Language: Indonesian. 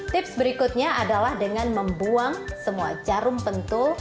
tips berikutnya adalah dengan membuang semua jarum pentul